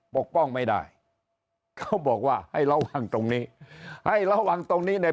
ปกป้องไม่ได้เขาบอกว่าให้ระวังตรงนี้ให้ระวังตรงนี้ใน